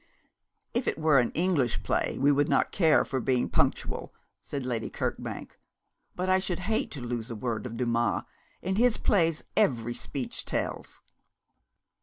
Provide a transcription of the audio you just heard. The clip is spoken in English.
'If it were an English play we would not care for being punctual,' said Lady Kirkbank; 'but I should hate to lose a word of Dumas. In his plays every speech tells.'